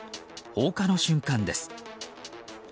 放火の瞬間です。